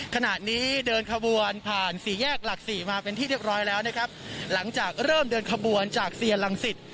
ขณะนี้เดินขบวนผ่านสี่แยกหลักสี่มาเป็นที่เรียบร้อยแล้วนะครับหลังจากเริ่มเดินขบวนจากเซียนรังสิต